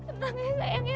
tenang ya enggak pernah